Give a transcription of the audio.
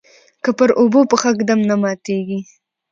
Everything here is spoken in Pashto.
که پر اوبو پښه ږدم نه ماتیږي.